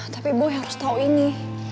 tapi gue harus tau ini